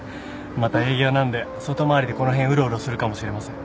また営業なんで外回りでこの辺うろうろするかもしれません。